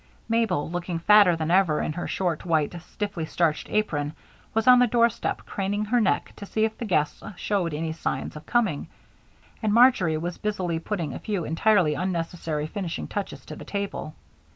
Mabel, looking fatter than ever in her short, white, stiffly starched apron, was on the doorstep craning her neck to see if the guests showed any signs of coming, and Marjory was busily putting a few entirely unnecessary finishing touches to the table.